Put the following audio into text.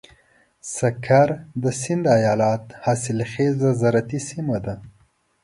سکر د سيند ايالت حاصلخېزه زراعتي سيمه ده.